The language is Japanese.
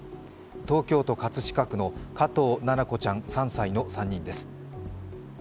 東京都葛飾区の加藤七菜子ちゃん３歳の３人です。